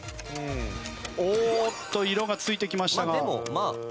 おーっと色がついてきましたが。